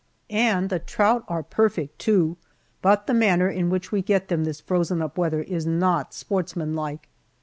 And the trout are perfect, too, but the manner in which we get them this frozen up weather is not sportsmanlike.